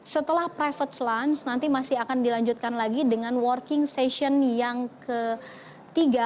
setelah private lunch nanti masih akan dilanjutkan lagi dengan working session yang ketiga